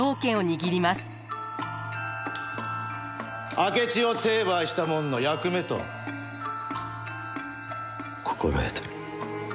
明智を成敗したもんの役目と心得とる。